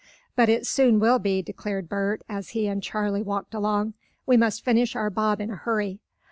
"But it soon will be," declared Bert, as he and Charley walked along. "We must finish our bob in a hurry."